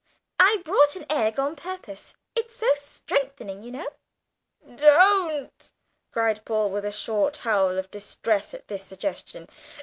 I brought an egg on purpose; it's so strengthening, you know." "Don't!" cried Paul, with a short howl of distress at this suggestion.